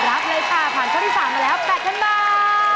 รับเลยค่ะผ่านข้อที่๓มาแล้ว๘๐๐๐บาท